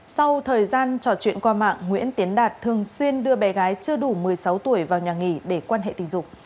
sau thời gian trò chuyện qua mạng nguyễn tiến đạt thường xuyên đưa bé gái chưa đủ một mươi sáu tuổi vào nhà nghỉ để quan hệ tình dục